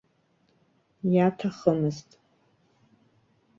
Иаҭахымызт.